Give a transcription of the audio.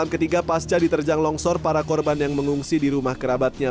ketiga pasca diterjang longsor para korban yang mengungsi di rumah kerabatnya